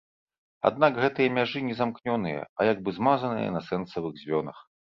Аднак гэтыя мяжы не замкнёныя, а як бы змазаныя на сэнсавых звёнах.